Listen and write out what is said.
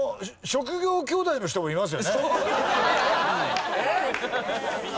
職業兄弟の人いますよね。